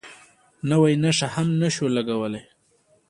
نوې نښه هم نه شو لګولی.